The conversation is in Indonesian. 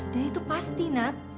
dan itu pasti nad